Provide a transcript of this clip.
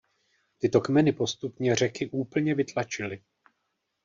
Tyto kmeny postupně Řeky úplně vytlačily.